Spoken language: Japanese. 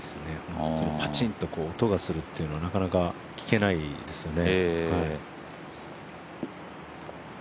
本当にパチンと音がするってのはなかなか聞けないですよね。